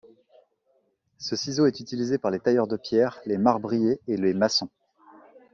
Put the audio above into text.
Ce ciseau est utilisé par les tailleurs de pierre, les marbriers et les maçons.